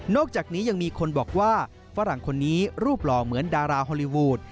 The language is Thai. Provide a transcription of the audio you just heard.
จากนี้ยังมีคนบอกว่าฝรั่งคนนี้รูปหล่อเหมือนดาราฮอลลีวูด